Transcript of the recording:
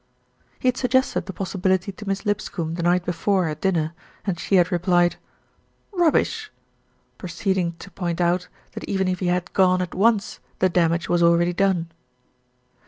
He had suggested the possibility to Miss Lipscombe the night before at dinner, and she had replied, "Rub bish!" proceeding to point out that even if he had gone at once the damage was already done.